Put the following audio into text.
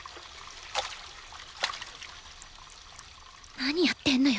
何やってんのよ